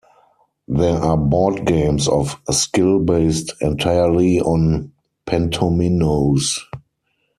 There are board games of skill based entirely on pentominoes.